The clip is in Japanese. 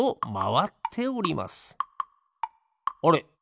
あれ？